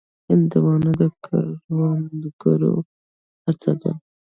هندوانه د کروندګرو هڅه ده.